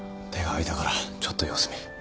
手が空いたからちょっと様子見。